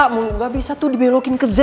nggak bisa tuh dibelokin ke z